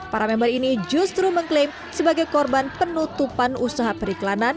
para member ini justru mengklaim sebagai korban penutupan usaha periklanan